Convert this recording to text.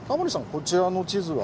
こちらの地図は。